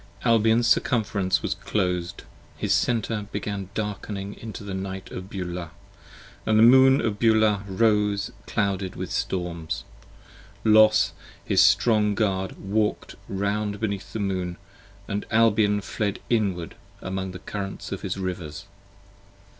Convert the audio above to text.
Albion's Circumference was clos'd: his Center began dark'ning Into the Night of Beulah, and the Moon of Beulah rose Clouded with storms: Los his strong Guard walk'd round beneath the Moon, And Albion fled inward among the currents of his rivers.